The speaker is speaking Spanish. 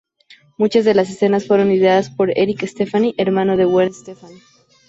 Muchas de las escenas fueron ideadas por Eric Stefani, hermano de Gwen Stefani.